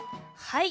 はい！